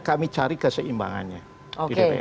kami cari keseimbangannya oke